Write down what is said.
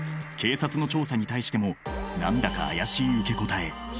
警察の調査に対しても何だか怪しい受け答え。